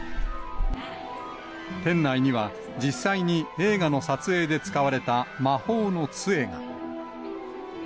店内には、実際に映画の撮影で使われた魔法のつえが。